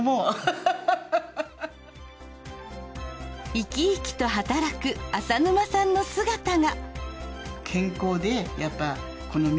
生き生きと働く浅沼さんの姿が。